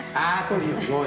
à tôi hiểu rồi